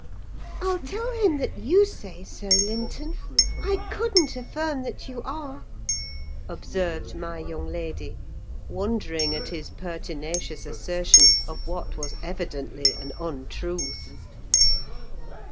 "I'll tell him that you say so, Linton. I couldn't affirm that you are," observed my young lady, wondering at his pertinacious assertion of what was evidently an untruth.